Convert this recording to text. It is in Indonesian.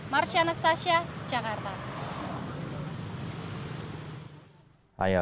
marsya anastasia jakarta